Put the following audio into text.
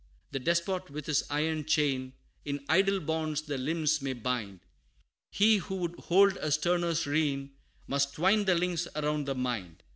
The despot with his iron chain, In idle bonds the limbs may bind He who would hold a sterner reign, Must twine the links around the mind.